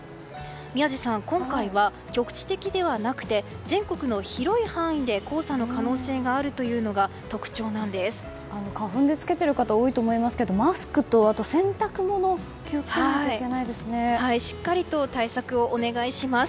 宮司さん、今回は局地的ではなくて全国の広い範囲で黄砂の可能性があるというのが花粉で着けている方は多いと思いますがマスクと、あと洗濯物しっかりと対策をお願いします。